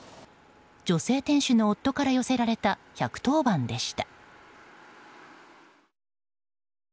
女性店主の夫から寄せられた１１０番でした。